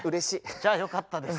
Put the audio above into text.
じゃよかったです。